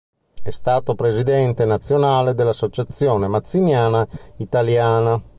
È stato Presidente nazionale dell'Associazione Mazziniana Italiana.